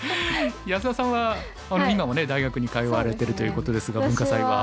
安田さんは今もね大学に通われてるということですが文化祭は。